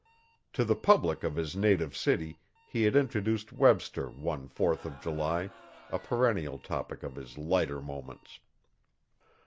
To the public of his native city he had introduced Webster one fourth of July a perennial topic of his lighter moments.